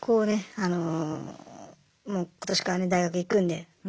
あの今年からね大学行くんで。